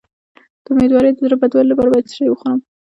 د امیدوارۍ د زړه بدوالي لپاره باید څه شی وخورم؟